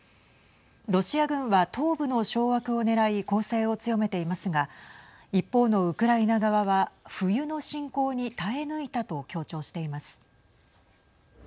ロシア軍は東部の掌握を狙い攻勢を強めていますが一方のウクライナ側は冬の侵攻に耐え抜いたと強調しています。